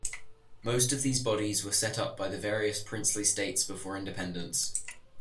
Most of these bodies were set up by the various princely states before independence.